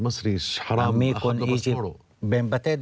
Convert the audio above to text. มีใครต้องจ่ายค่าคุมครองกันทุกเดือนไหม